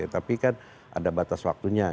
tapi kan ada batas waktunya